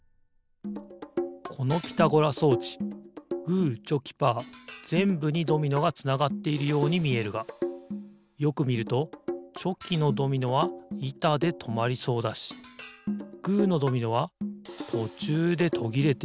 このピタゴラ装置グーチョキパーぜんぶにドミノがつながっているようにみえるがよくみるとチョキのドミノはいたでとまりそうだしグーのドミノはとちゅうでとぎれている。